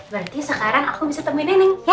berarti sekarang aku bisa temuin neneng ya